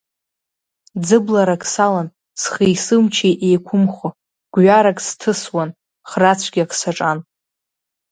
Ӡыбларак салан, схыи сымчи еиқәымхо, гәаҩак сҭысуан, хра цәгьак саҿан.